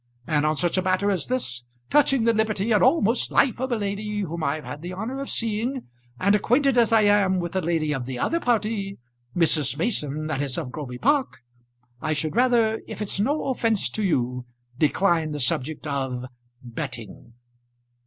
And on such a matter as this, touching the liberty and almost life of a lady whom I've had the honour of seeing, and acquainted as I am with the lady of the other party, Mrs. Mason that is of Groby Park, I should rather, if it's no offence to you, decline the subject of betting."